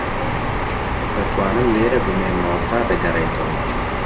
دەتوانم لێرە بمێنمەوە تا دەگەڕێیتەوە.